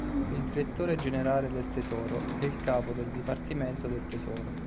Il direttore generale del tesoro è il capo del Dipartimento del tesoro.